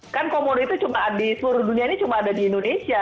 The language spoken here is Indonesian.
kan komodo itu cuma di seluruh dunia ini cuma ada di indonesia